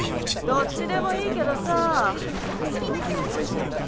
どっちでもいいけどさぁ。